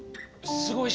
すごい人？